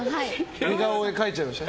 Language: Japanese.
似顔絵、描いちゃいましたね。